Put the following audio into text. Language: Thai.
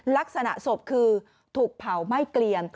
ลักษณะศพคือถูกเผาไหม้เกลียน